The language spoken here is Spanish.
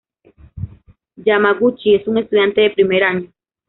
Yamaguchi es un estudiante de primer año.